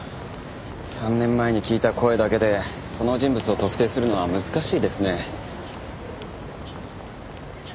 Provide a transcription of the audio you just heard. ３年前に聞いた声だけでその人物を特定するのは難しいですね。